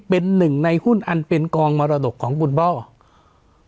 เป็นหนึ่งในหุ้นอันเป็นกองมรดกของคุณเบิ้ล